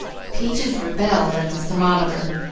Peaches rebelled at the thermometer.